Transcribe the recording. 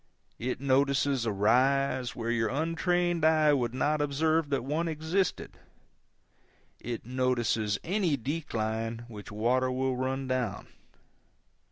It notices a rise where your untrained eye would not observe that one existed; it notices any decline which water will run down.